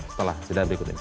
setelah jeda berikut ini